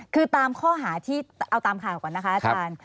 คือตามข้อหาที่เอาตามข่าวก่อนนะคะอาจารย์